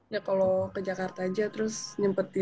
ya kalo ke jakarta aja terus nyemprot aja sih